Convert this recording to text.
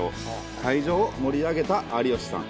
会場を盛り上げた有吉さん。